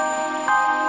tidak tapi sekarang